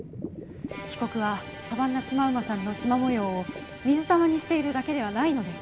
被告はサバンナシマウマさんのシマ模様を水玉にしているだけではないのです。